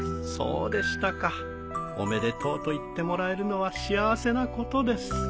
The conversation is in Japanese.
そうでしたかおめでとうと言ってもらえるのは幸せなことです。